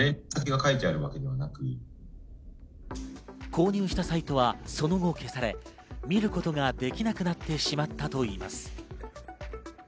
購入したサイトは、その後消され、見ることができなくなってしまったといいます。